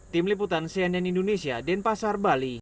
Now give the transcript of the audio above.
tim liputan cnn indonesia denpasar bali